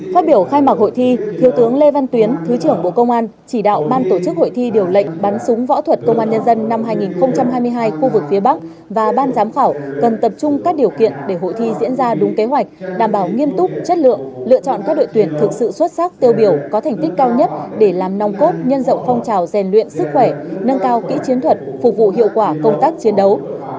phát biểu khai mạc hội thi thiếu tướng lê văn tuyến thứ trưởng bộ công an chỉ đạo ban tổ chức hội thi điều lệnh bắn súng võ thuật công an nhân dân năm hai nghìn hai mươi hai khu vực phía bắc và ban giám khảo cần tập trung các điều kiện để hội thi diễn ra đúng kế hoạch đảm bảo nghiêm túc chất lượng lựa chọn các đội tuyển thực sự xuất sắc tiêu biểu có thành tích cao nhất để làm nông cốt nhân rộng phong trào rèn luyện sức khỏe nâng cao kỹ chiến thuật phục vụ hiệu quả công tác chiến đấu